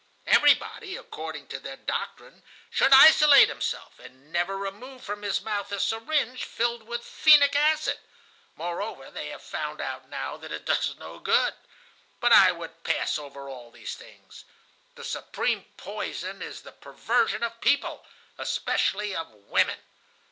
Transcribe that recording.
Everybody, according to their doctrine, should isolate himself, and never remove from his mouth a syringe filled with phenic acid (moreover, they have found out now that it does no good). But I would pass over all these things. The supreme poison is the perversion of people, especially of women.